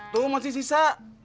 tuh masih sisa